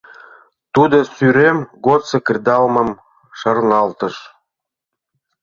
Тудо сӱрем годсо кредалмым шарналтыш.